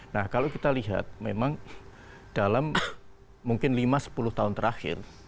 nah kalau kita lihat memang dalam mungkin lima sepuluh tahun terakhir